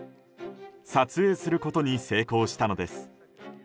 撮影することに成功したのです。